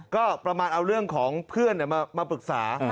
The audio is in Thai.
ก็ประมาณเอาเรื่องของเพื่อนมาปรึกษา